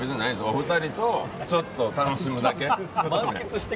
お二人とちょっと楽しむだけ。